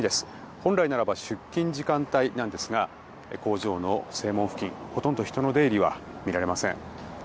本来ならば出勤時間帯なんですが工場の正門付近ほとんど人の出入りは見られません。